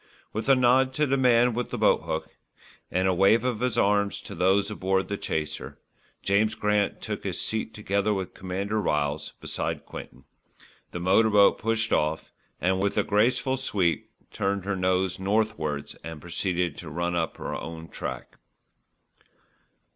With a nod to the man with the boathook, and a wave of his arm to those aboard the chaser, James Grant took his seat together with Commander Ryles beside Quinton, the motor boat pushed off and, with a graceful sweep, turned her nose northwards and proceeded to run up her own track.